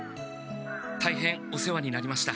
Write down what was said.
たいへんお世話になりました。